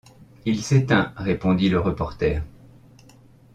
Il s’éteint, répondit le reporter